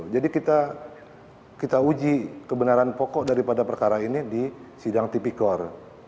jadi kita uji kebenaran pokok daripada perkara ini di sidang tripikor